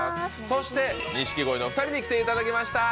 そして錦鯉のお２人に来ていただきました。